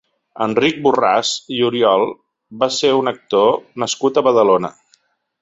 Enric Borràs i Oriol va ser un actor nascut a Badalona.